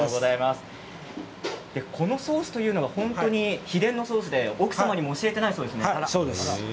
このソースは秘伝のソースで奥様にも教えていないそうですね。